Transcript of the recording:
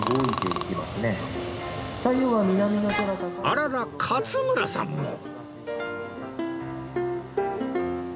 あらら勝村さんも